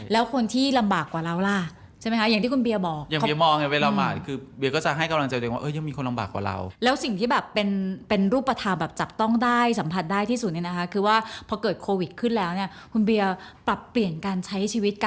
แล้วคนที่ลำบากกว่าเราล่ะใช่ไหมคะอย่างที่คุณบี๊อบอก